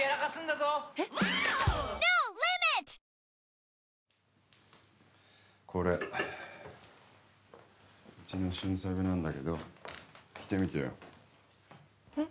サントリーからこれうちの新作なんだけど着てみてよえっ？